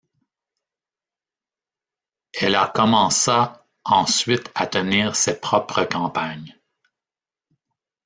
Elle a commença ensuite à tenir ses propres campagnes.